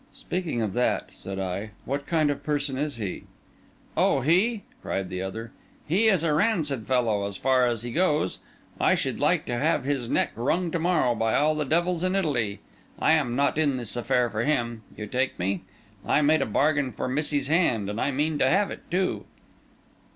"Speaking of that," said I, "what kind of person is he?" "Oh, he!" cried the other; "he's a rancid fellow, as far as he goes. I should like to have his neck wrung to morrow by all the devils in Italy. I am not in this affair for him. You take me? I made a bargain for Missy's hand, and I mean to have it too."